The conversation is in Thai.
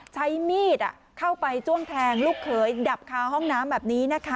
ใช้มีดเข้าไปจ้วงแทงลูกเขยดับคาห้องน้ำแบบนี้นะคะ